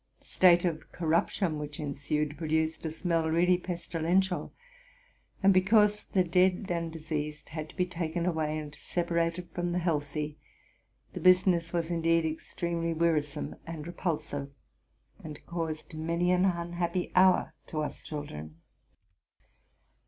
The state of correption which ensued produced a smell really pestilential ; and, because the dead and diseased had to be taken away and separated from the healthy, the business was indeed extremely wearisome and repulsive, and caused many an unhappy hour to us children.